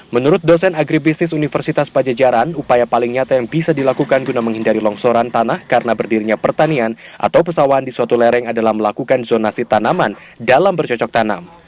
menurut dosen agribisnis universitas pajajaran upaya paling nyata yang bisa dilakukan guna menghindari longsoran tanah karena berdirinya pertanian atau pesawan di suatu lereng adalah melakukan zonasi tanaman dalam bercocok tanam